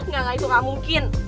gak gak itu gak mungkin